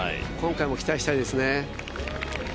今回も期待したいですね。